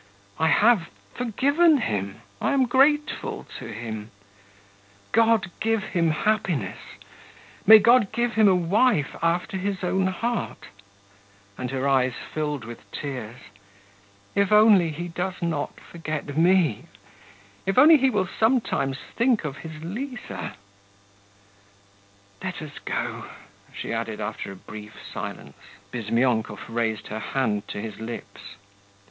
I have forgiven him, I am grateful to him. God give him happiness! May God give him a wife after his own heart' and her eyes filled with tears 'if only he does not forget me, if only he will sometimes think of his Liza! Let us go,' she added, after a brief silence. Bizmyonkov raised her hand to his lips.